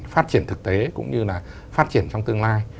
phát triển thực tế cũng như là phát triển trong tương lai